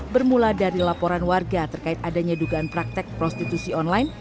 bermula dari laporan warga terkait adanya dugaan praktek prostitusi online